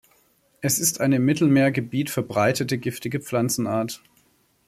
Es ist eine im Mittelmeergebiet verbreitete giftige Pflanzenart.